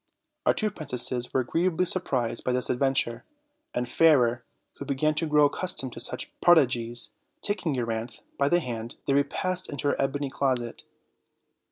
Our two princesses were agreeably surprised by this adventure, and Fairer, who began to grow accustomed to such prod igies, taking Euryanthe by the hand, they repassed into her ebony closet.